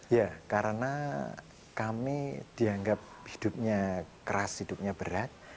ya karena kami dianggap hidupnya keras hidupnya berat